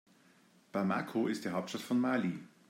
Bamako ist die Hauptstadt von Mali.